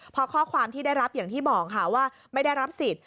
พอข้อความที่ได้รับอย่างที่บอกค่ะว่าไม่ได้รับสิทธิ